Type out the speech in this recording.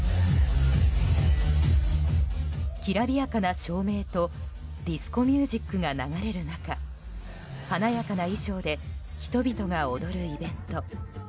きらびやかな照明とディスコミュージックが流れる中華やかな衣装で人々が躍るイベント。